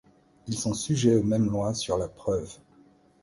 Ils sont sujets aux mêmes lois sur la preuve.